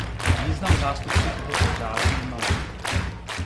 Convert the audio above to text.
Význam zástupců tohoto řádu je malý.